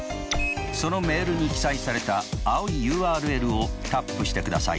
そのメールに記載された青いＵＲＬをタップしてください。